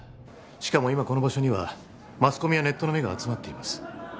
しかも今この場所にはマスコミやネットの目が集まっています